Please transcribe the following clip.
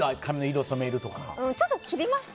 ちょっと切りました？